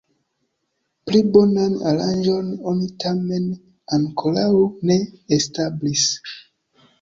Pli bonan aranĝon oni tamen ankoraŭ ne establis.